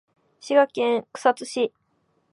滋賀県草津市